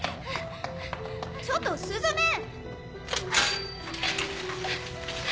ちょっと鈴芽！